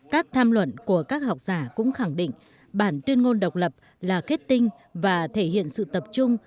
các tham luận của các học giả cũng khẳng định bản tuyên ngôn độc lập là kết tinh và thể hiện sự tập trung